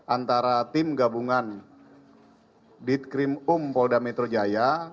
antara tim gabungan ditkrim um polda metro jaya